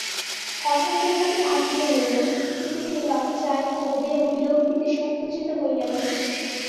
অন্নপূর্ণাকে থাকিতে হইল, কিন্তু তিনি লজ্জায় ক্ষোভে ও বিরক্তিতে সংকুচিত হইয়া রহিলেন।